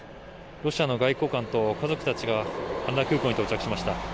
ロシアの外交官と家族たちが羽田空港に到着しました。